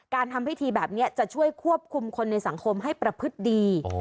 ทำพิธีแบบนี้จะช่วยควบคุมคนในสังคมให้ประพฤติดี